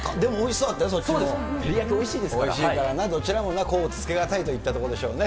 そうです、テリヤキおいしいおいしいからな、どちらも甲乙つけがたいといったところでしょうね。